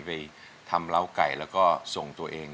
ไปทำเล้าไก่แล้วก็ส่งตัวเอง